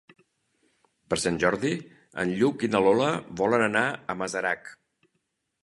Per Sant Jordi en Lluc i na Lola volen anar a Masarac.